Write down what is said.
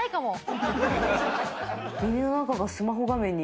「耳の中がスマホ画面に」。